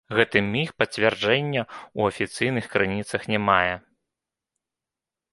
Гэты міф пацверджання ў афіцыйных крыніцах не мае.